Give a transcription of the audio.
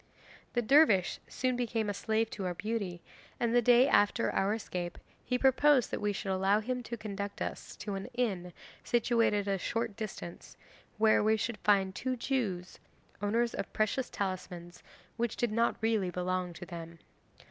'The dervish soon became a slave to our beauty, and the day after our escape he proposed that we should allow him to conduct us to an inn situated at a short distance, where we should find two Jews, owners of precious talismans which did not really belong to them.